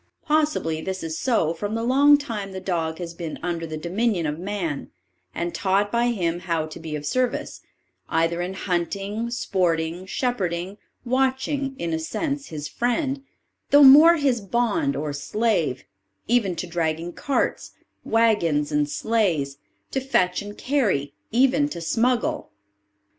Possibly this is so from the long time the dog has been under the dominion of man, and taught by him how to be of service, either in hunting, sporting, shepherding, watching; in a sense his friend, though more his bond or slave, even to dragging carts, waggons, and sleighs, to fetch and carry, even to smuggle.